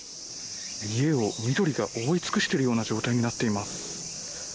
家を緑が覆い尽くしているような状態になっています。